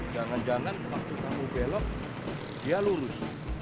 jangan jangan waktu kamu belok dia lurus